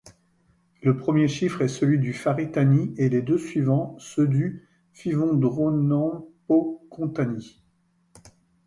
Le premier chiffre est celui du faritany et les deux suivants ceux du fivondronampokontany.